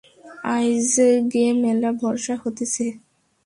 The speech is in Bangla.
আইজগে ম্যালা বর্ষা হতিছে।